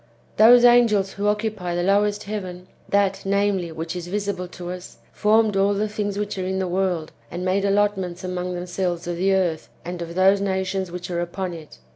Those angels who occupy the lowest heaven, that, namely, which is visible to us, formed all the things which are in the world, and made allotments among themselves of the earth and of those nations which are upon it.